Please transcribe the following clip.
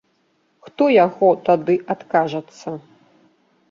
Хто яго тады адкажацца.